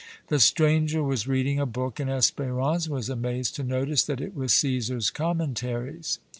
The stranger was reading a book, and Espérance was amazed to notice that it was "Cæsar's Commentaries."